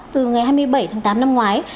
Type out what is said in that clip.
từ ngày hai mươi bảy tháng tám năm ngoái